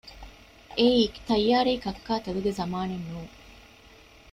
އެއީ ތައްޔާރީ ކައްކާތެލުގެ ޒަމާނެއް ނޫން